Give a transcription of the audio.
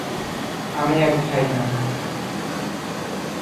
আমি আর খাই না।